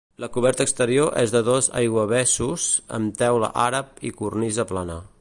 La coberta exterior és de dos aiguavessos, amb teula àrab i cornisa plana.